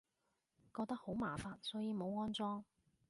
覺得好麻煩，所以冇安裝